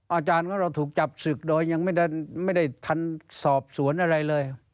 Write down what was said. อาจารย์ว่าเราถูกจับศึกโดยยังไม่ได้ทันสอบสวนอะไรเลย